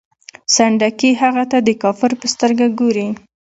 سنډکي هغه ته د کافر په سترګه ګوري.